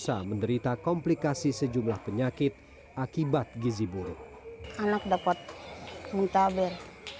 bisa menderita komplikasi sejumlah penyakit akibat gizi buruk anak dapat muntaber